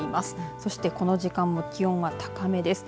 そして、この時間も気温は高めです。